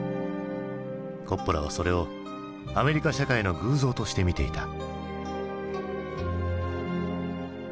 コッポラはそれをアメリカ社会の偶像として見ていた。